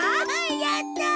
やった！